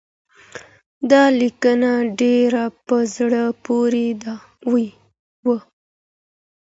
دا لیکنه ډېره په زړه پوري وه.